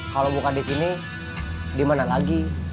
kalau bukan disini dimana lagi